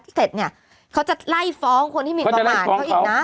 เสร็จเนี่ยเขาจะไล่ฟ้องคนที่มีประมาทเขาอีกนะ